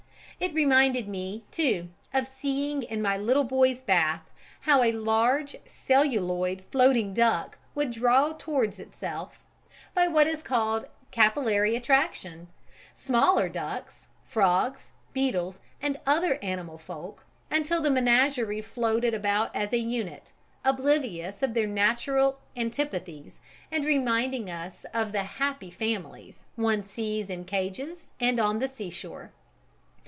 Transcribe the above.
It reminded me, too, of seeing in my little boy's bath how a large celluloid floating duck would draw towards itself, by what is called capillary attraction, smaller ducks, frogs, beetles, and other animal folk, until the menagerie floated about as a unit, oblivious of their natural antipathies and reminding us of the "happy families" one sees in cages on the seashore.